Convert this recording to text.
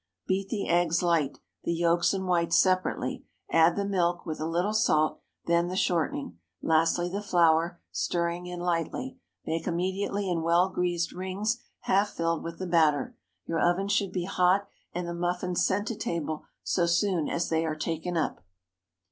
Beat the eggs light—the yolks and whites separately; add the milk, with a little salt, then the shortening, lastly the flour, stirring in lightly. Bake immediately in well greased rings half filled with the batter. Your oven should be hot, and the muffins sent to table so soon as they are taken up.